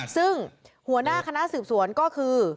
ซึ่งหัวหน้าคณะสืบสวนก็คือ